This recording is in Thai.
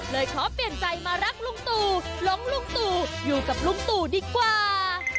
เลยขอเปลี่ยนใจมารักลุงตู่หลงลุงตู่อยู่กับลุงตู่ดีกว่า